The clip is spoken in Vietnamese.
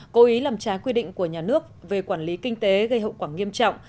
cố ý làm trái quy định của nhà nước về quản lý kinh tế gây hậu quả nghiêm trọng